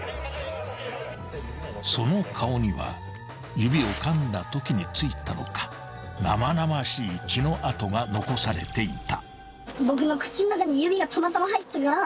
［その顔には指をかんだときに付いたのか生々しい血の痕が残されていた］